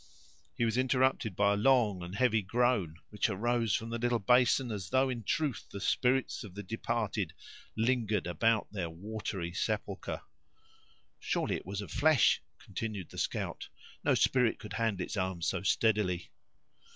He was interrupted by a long and heavy groan which arose from the little basin, as though, in truth, the spirits of the departed lingered about their watery sepulcher. "Surely it was of flesh," continued the scout; "no spirit could handle its arms so steadily."